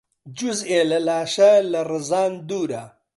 جوزئێ لە لاشە لە ڕزان دوورە